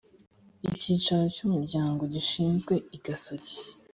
icyicaro cy umuryango gishyizwe i gasogi